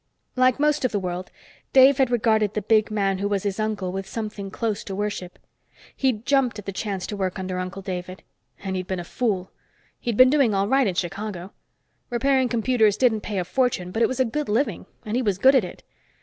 Like most of the world, Dave had regarded the big man who was his uncle with something close to worship. He'd jumped at the chance to work under Uncle David. And he'd been a fool. He'd been doing all right in Chicago. Repairing computers didn't pay a fortune, but it was a good living, and he was good at it.